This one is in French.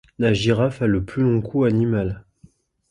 La girafe a le plus long cou animal